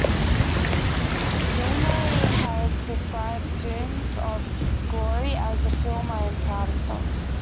Neame has described "Tunes of Glory" as "the film I am proudest of".